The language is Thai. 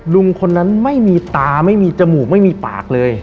ลุงคนนั้นไม่มีตาไม่มีจมูกไม่มีปากเลย